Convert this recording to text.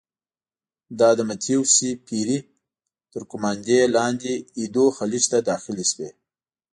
دا د متیو سي پیري تر قوماندې لاندې ایدو خلیج ته داخلې شوې.